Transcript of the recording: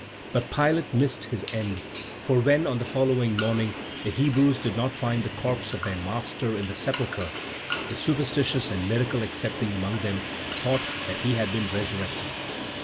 But Pilate missed his end; for when, on the following morning, the Hebrews did not find the corpse of their master in the sepulchre, the superstitious and miracle accepting among them thought that he had been resurrected.